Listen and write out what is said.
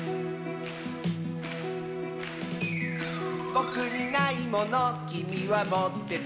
「ぼくにないものきみはもってて」